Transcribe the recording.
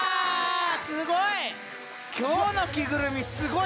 すごい！